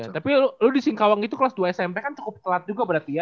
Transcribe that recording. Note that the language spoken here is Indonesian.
tapi lu di singkawang itu kelas dua smp kan cukup telat juga berarti ya